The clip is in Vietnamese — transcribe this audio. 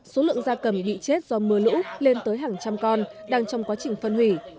số lượng da cầm bị chết do mưa lũ lên tới hàng trăm con đang trong quá trình phân hủy